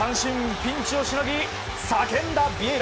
ピンチをしのぎ、叫んだビエイラ。